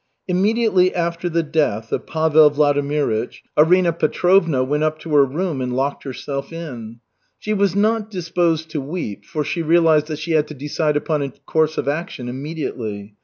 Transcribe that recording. Immediately after the death of Pavel Vladimirych, Arina Petrovna went up to her room and locked herself in. She was not disposed to weep, for she realized that she had to decide upon a course of action immediately.